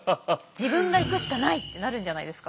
自分が行くしかないってなるんじゃないですか？